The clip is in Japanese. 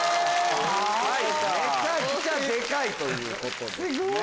めちゃくちゃでかいということですね。